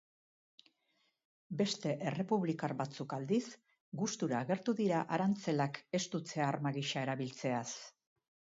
Beste errepublikar batzuk, aldiz, gustura agertu dira arantzelak estutze-arma gisa erabiltzeaz.